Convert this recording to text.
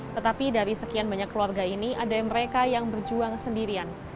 tetapi dari sekian banyak keluarga ini ada mereka yang berjuang sendirian